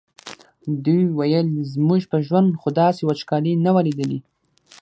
دوی ویل زموږ په ژوند خو داسې وچکالي نه وه لیدلې.